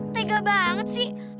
tega banget sih